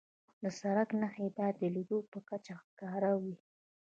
د سړک نښې باید د لید په کچه ښکاره وي.